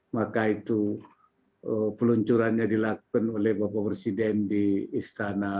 maka itu peluncurannya dilakukan oleh bapak presiden di istana